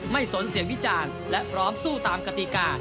สนเสียงวิจารณ์และพร้อมสู้ตามกติกา